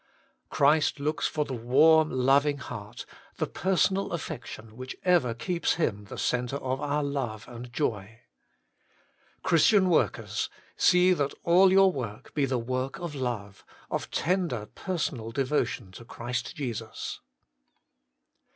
Christ looks for the warm loving heart, the personal affection which ever keeps Him the centre of our love and joy. Christian workers, see that all your work be the work of love, of tender personal devotion to Christ Jesus.